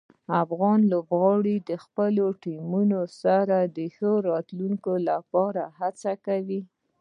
افغان لوبغاړي د خپلو ټیمونو سره د ښه راتلونکي لپاره هڅه کوي.